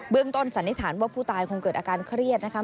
ต้นสันนิษฐานว่าผู้ตายคงเกิดอาการเครียดนะคะ